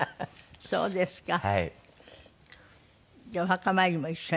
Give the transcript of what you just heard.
そうですか。